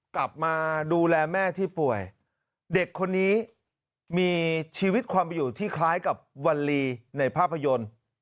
กลับมาดูแลแม่ที่ป่วยเด็กคนนี้มีชีวิตความอยู่ที่คล้ายกับวัลลีในภาพยนตร์